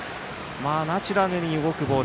ナチュラルに動くボール。